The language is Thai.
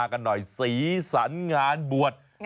กันหน่อยฟรีศัลย์งานบวช